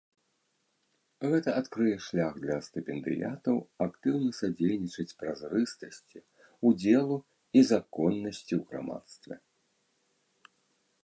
Гэта адкрые шлях для стыпендыятаў актыўна садзейнічаць празрыстасці, удзелу і законнасці ў грамадстве.